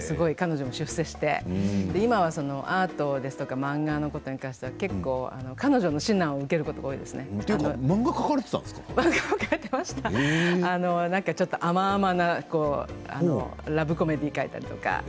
すごい彼女、出世して今はアートだとか漫画のことに関しては結構彼女の指南を受けることが漫画を描かれてちょっと甘々なラブコメディーを描いたりとか。